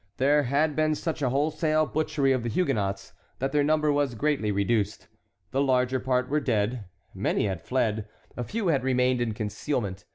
There had been such a wholesale butchery of the Huguenots that their number was greatly reduced. The larger part were dead; many had fled; a few had remained in concealment.